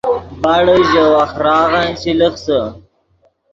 باڑے ژے وَخۡراغن چے لخسے